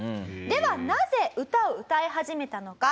ではなぜ歌を歌い始めたのか？